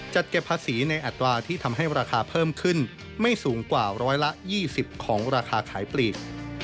เก็บภาษีในอัตราที่ทำให้ราคาเพิ่มขึ้นไม่สูงกว่าร้อยละ๒๐ของราคาขายปลีก